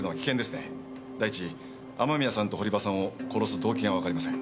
第一雨宮さんと堀場さんを殺す動機がわかりません。